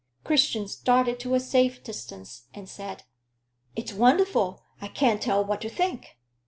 Christian started to a safe distance, and said "It's wonderful. I can't tell what to think."